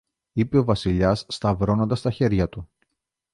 είπε ο Βασιλιάς σταυρώνοντας τα χέρια του